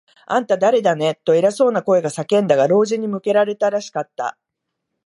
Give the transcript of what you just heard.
「あんた、だれだね？」と、偉そうな声が叫んだが、老人に向けられたらしかった。